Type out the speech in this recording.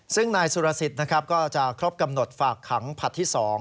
ซึ่งนายสุรสิทธิ์นะครับก็จะครบกำหนดฝากขังผลัดที่๒